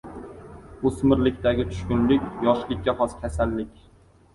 O‘smirlikdagi tushkunlik — yoshlikka xos kasallik.